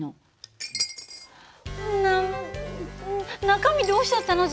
中身どうしちゃったの？